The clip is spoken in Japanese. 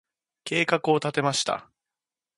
計画を立てました。